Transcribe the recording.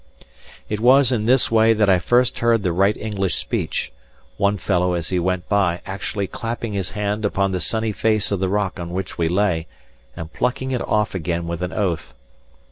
It was in this way that I first heard the right English speech; one fellow as he went by actually clapping his hand upon the sunny face of the rock on which we lay, and plucking it off again with an oath.